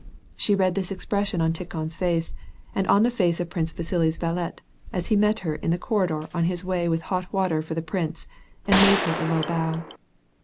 She read this expression on Tikhou's face, and on the j face of Prince Vasili's valet, as he met her in the corridor ou j his way with hot water for the prince, and made her a low j bow.